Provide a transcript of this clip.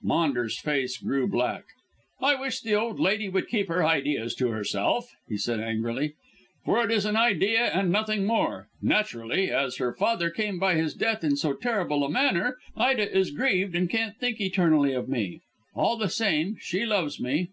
Maunders' face grew black. "I wish the old lady would keep her ideas to herself," he said angrily, "for it is an idea and nothing more. Naturally, as her father came by his death in so terrible a manner, Ida is grieved and can't think eternally of me. All the same, she loves me."